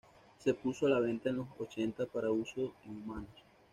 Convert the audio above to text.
Se puso a la venta en los ochentas para uso en humanos.